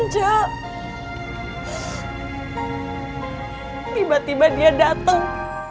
sejak tiba tiba dia dateng